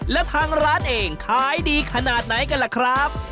แล้วทางร้านเองขายดีขนาดไหนกันล่ะครับ